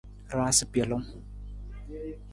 Raasa pelung.